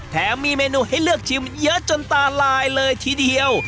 แถมมีเมนูให้เลือกชิมเยอะจนตาลายเลยทีเดียว